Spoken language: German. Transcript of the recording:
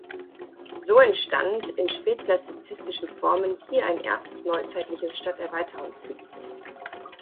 So entstand in spätklassizistischen Formen hier ein erstes neuzeitliches Stadterweiterungsgebiet.